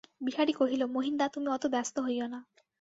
বিহারী কহিল, মহিনদা, তুমি অত ব্যস্ত হইয়ো না।